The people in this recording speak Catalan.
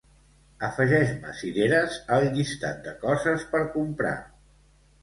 Afegeix-me cireres al llistat de coses per comprar.